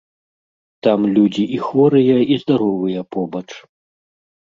Там людзі і хворыя, і здаровыя побач.